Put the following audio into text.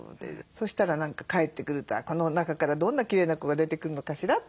そしたら何かかえってくるとこの中からどんなきれいな子が出てくるのかしら？と思って。